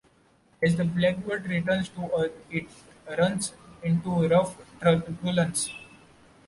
As the Blackbird returns to Earth, it runs into rough turbulence.